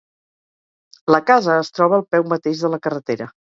La casa es troba al peu mateix de la carretera.